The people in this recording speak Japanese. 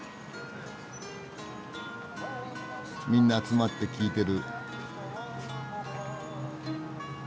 みんな集まって聴いてる。